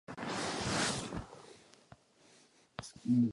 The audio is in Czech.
Bylo pojmenováno na počest všech slovanských národů.